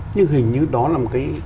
nhưng hình như đó là một cái